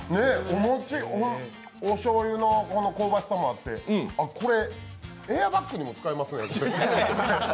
おしょうゆの香ばしさもあって、これエアバッグにも使えますね。